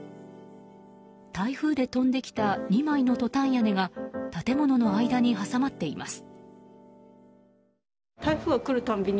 台風で飛んできた２枚のトタン屋根が建物の間に挟まっています。